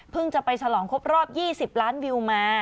จะไปฉลองครบรอบ๒๐ล้านวิวมา